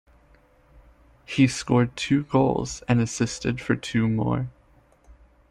He scored two goals and assisted for two more.